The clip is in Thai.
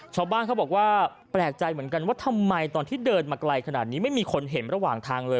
ชาวบ้านเขาบอกว่าแปลกใจเหมือนกันว่าทำไมตอนที่เดินมาไกลขนาดนี้ไม่มีคนเห็นระหว่างทางเลย